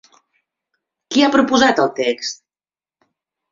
Qui ha proposat el text?